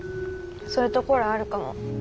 そういうところあるかも。